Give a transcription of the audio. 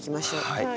はい。